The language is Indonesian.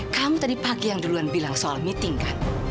kamu tadi pagi yang duluan bilang soal meeting kan